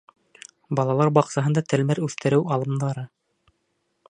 Балалар баҡсаһында телмәр үҫтереү алымдары